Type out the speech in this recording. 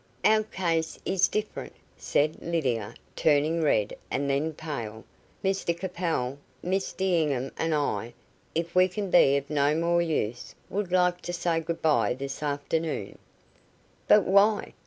"Our case is different," said Lydia, turning red, and then pale. "Mr Capel, Miss D'Enghien and I, if we can be of no more use, would like to say good bye this afternoon." "But why?"